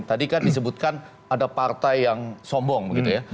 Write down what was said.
tadi kan disebutkan ada partai yang sombong begitu ya